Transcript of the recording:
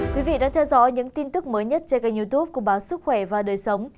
các bạn đã theo dõi những tin tức mới nhất trên kênh youtube của báo sức khỏe và đời sống